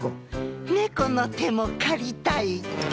「猫の手も借りたい」。